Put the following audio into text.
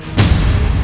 aku sudah cukup lulus